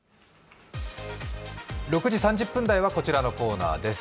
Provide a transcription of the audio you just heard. ６時３０分台はこちらのコーナーです。